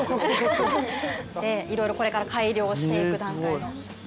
いろいろこれから改良していく段階の。